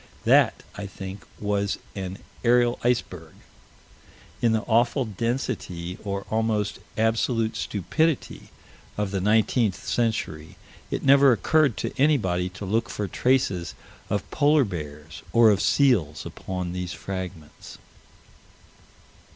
That, I think, was an aerial iceberg. In the awful density, or almost absolute stupidity of the 19th century, it never occurred to anybody to look for traces of polar bears or of seals upon these fragments.